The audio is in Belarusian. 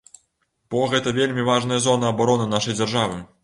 Бо гэта вельмі важная зона абароны нашай дзяржавы.